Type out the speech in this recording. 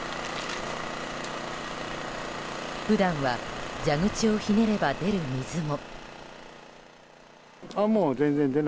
普段は蛇口をひねれば出る水も。